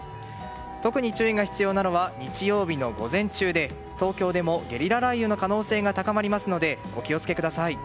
特に注意が必要なのは日曜日の午前中で東京でもゲリラ雷雨の可能性が高まりますのでお気をつけください。